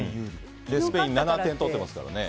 スペイン７点取ってますからね。